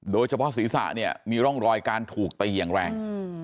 โดยเฉพาะศีรษะเนี่ยมีร่องรอยการถูกตีอย่างแรง